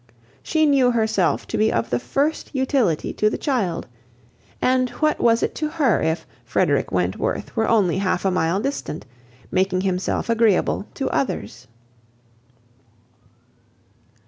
She knew herself to be of the first utility to the child; and what was it to her if Frederick Wentworth were only half a mile distant, making himself agreeable to others?